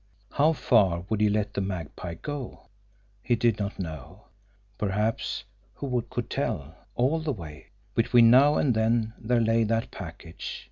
How far would he let the Magpie go? He did not know. Perhaps who could tell! all the way. Between now and then there lay that package!